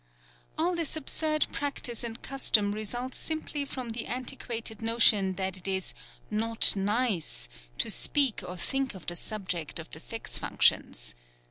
All this absurd practice and custom results simply from the antiquated notion that it is "not nice" to speak or think of the subject of the sex functions.